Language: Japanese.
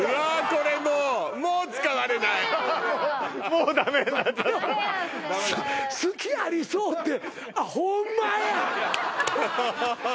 これもうもう使われないもうダメになっちゃったダメやんそれ隙ありそうってあっホンマやハハハハハ